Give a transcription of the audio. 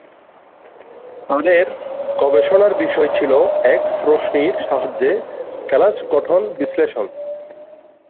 তাদের গবেষণার বিষয় ছিল এক্স রশ্মির সাহায্যে কেলাস গঠন বিশ্লেষণ।